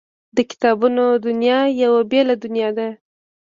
د کتابونو دنیا یوه بېله دنیا ده